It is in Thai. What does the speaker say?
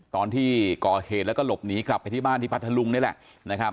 ตอนที่ก่อเหตุแล้วก็หลบหนีกลับไปที่บ้านที่พัทธลุงนี่แหละนะครับ